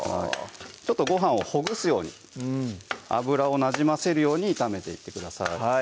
ちょっとご飯をほぐすようにうん油をなじませるように炒めていってください